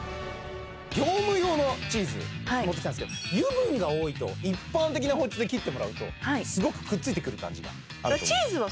業務用のチーズ持ってきたんですけど油分が多いと一般的な包丁で切ってもらうとすごくくっついてくる感じがあると思うんです